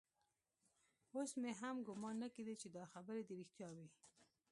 اوس مې هم ګومان نه کېده چې دا خبرې دې رښتيا وي.